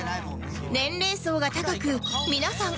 年齢層が高く皆さん